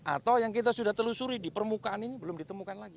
atau yang kita sudah telusuri di permukaan ini belum ditemukan lagi